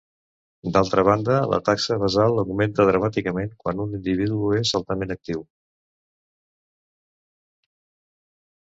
D'altra banda, la taxa basal augmenta dramàticament quan un individu és altament actiu.